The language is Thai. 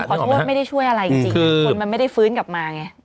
ขอโทษไม่ได้ช่วยอะไรจริงคนมันไม่ได้ฟื้นกลับมาไง